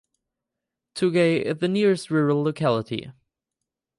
Tugay is the nearest rural locality.